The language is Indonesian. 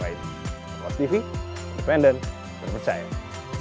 apakah mereka akan menang